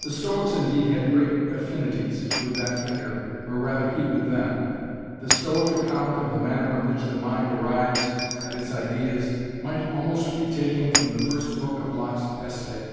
The Stoics indeed had great affinities with that thinker or rather he with them. The Stoic account of the manner in which the mind arrives at its ideas might almost be taken from the first book of Locke's Essay.